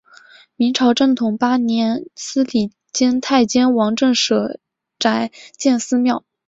明朝正统八年司礼监太监王振舍宅建私庙。